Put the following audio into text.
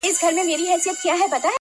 شکر وباسمه خدای ته په سجده سم،